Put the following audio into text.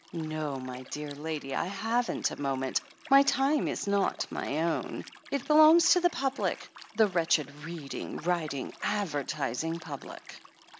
"No, my dear lady, I haven't a moment. My time is not my own ; it belongs to the public — the v^rretched, reading, writing, advertising public."